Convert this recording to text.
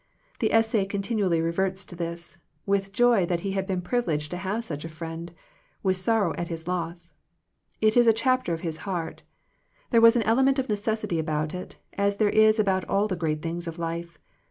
The essay continu ally reverts to this, with joy that he had been privileged to have such a friend, with sorrow at his loss. It is a chapter of his heart There was an element of necessity about it, as there is about all the great things of life.